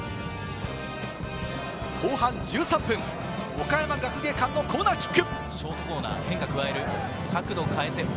後半１３分、岡山学芸館のコーナーキック。